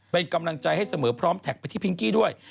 เป็นกำลังใจให้เสมอพร้อมแท็กไปที่พิงกี้ด้วย